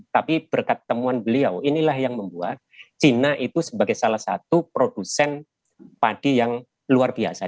tapi berkat temuan beliau inilah yang membuat cina itu sebagai salah satu produsen padi yang luar biasa